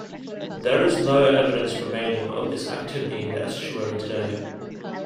There is no evidence remaining of this activity in the estuary today.